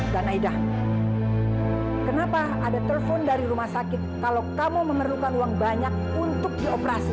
dan aida kenapa ada telepon dari rumah sakit kalau kamu memerlukan uang banyak untuk dioperasi